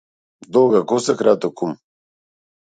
Долга коса краток ум.